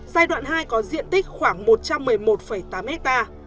giai đoạn hai có diện tích khoảng một trăm một mươi một tám ha